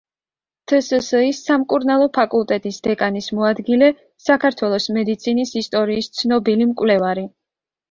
თსსი–ის სამკურნალო ფაკულტეტის დეკანის მოადგილე, საქართველოს მედიცინის ისტორიის ცნობილი მკვლევარი.